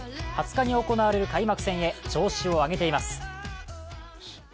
２０日に行われる開幕戦へ調子を上げています。